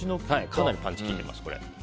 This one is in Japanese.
かなりパンチが効いてますね。